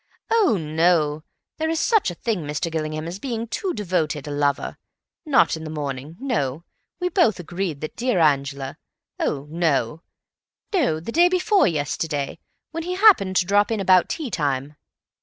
"Oh, no! There is such a thing, Mr. Gillingham, as being too devoted a lover. Not in the morning, no. We both agreed that dear Angela—Oh, no. No; the day before yesterday, when he happened to drop in about tea time."